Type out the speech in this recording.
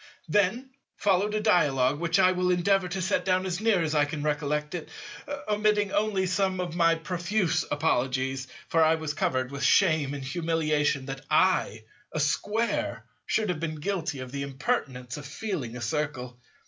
Then followed a dialogue, which I will endeavour to set down as near as I can recollect it, omitting only some of my profuse apologies—for I was covered with shame and humiliation that I, a Square, should have been guilty of the impertinence of feeling a Circle.